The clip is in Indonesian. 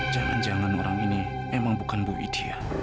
jangan jangan orang ini emang bukan bu widya